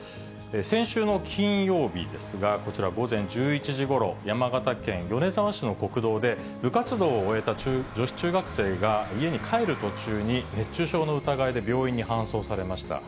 先週の金曜日ですが、こちら午前１１時ごろ、山形県米沢市の国道で、部活動を終えた女子中学生が、家に帰る途中に、熱中症の疑いで病院に搬送されました。